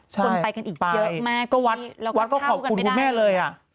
คนไปกันอีกเยอะมากทีเราก็เช่ากันไม่ได้เลยนะครับวัดก็ขอบคุณคุณแม่เลย